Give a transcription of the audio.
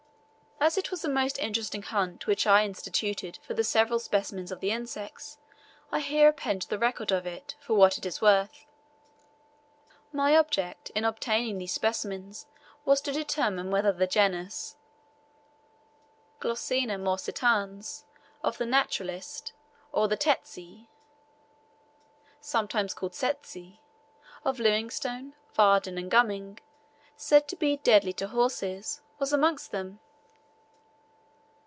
As it was a most interesting hunt which I instituted for the several specimens of the insects, I here append the record of it for what it is worth. My object in obtaining these specimens was to determine whether the genus Glossina morsitans of the naturalist, or the tsetse (sometimes called setse) of Livingstone, Vardon, and Gumming, said to be deadly to horses, was amongst them.